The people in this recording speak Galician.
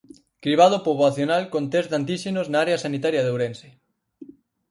Cribado poboacional con tests de antíxenos na área sanitaria de Ourense.